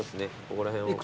ここら辺を。